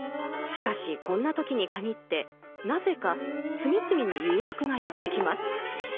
しかしこんな時に限ってなぜか次々に誘惑がやって来ます。